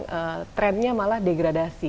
sebenarnya malah degradasi